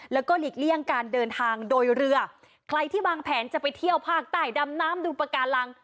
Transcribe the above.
แล้วก็หลีกเลี่ยงการเดินทางโดยเรือใครที่วางแผนจะไปเที่ยวภาคใต้ดำน้ำดูปากการัง